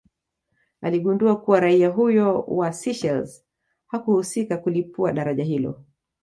Aligundua kuwa raia huyo wa Seychelles hakuhusika kulipua daraja hilo